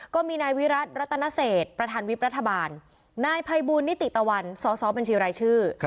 ก็มีนายวิรัติรัตนเศษประธานวิบรัฐบาลนายภัยบูลนิติตะวันสอบบัญชีรายชื่อ